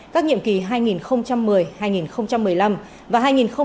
các nhiệm kỳ hai nghìn một mươi hai nghìn một mươi năm và hai nghìn một mươi năm hai nghìn hai mươi